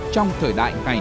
trong thời gian này